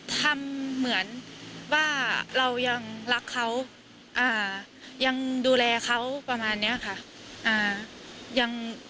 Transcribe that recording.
ทำเหมือนว่าเรายังรักเขายังดูแลเขาประมาณนี้ค่ะ